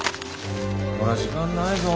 ほら時間ないぞ。